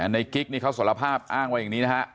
กิ๊กนี่เขาสารภาพอ้างไว้อย่างนี้นะฮะ